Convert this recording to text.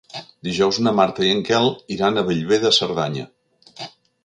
Dijous na Marta i en Quel iran a Bellver de Cerdanya.